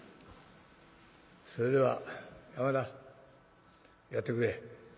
それでは山田やってくれ」。